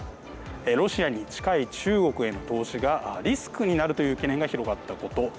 ロシアに近い中国への投資がリスクになるという懸念が広がったこと。